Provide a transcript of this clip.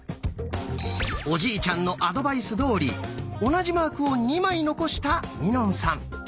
おじいちゃんのアドバイスどおり同じマークを２枚残したみのんさん。